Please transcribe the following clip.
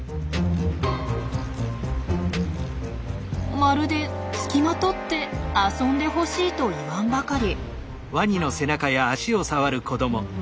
まるでつきまとって遊んでほしいと言わんばかり。